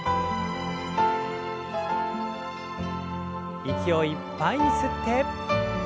息をいっぱいに吸って。